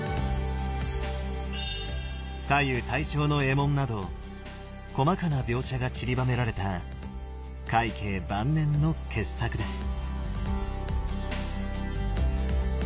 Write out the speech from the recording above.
左右対称の衣紋など細かな描写がちりばめられた快慶晩年の傑作です。